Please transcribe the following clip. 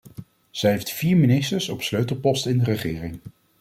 Zij heeft vier ministers op sleutelposten in de regering.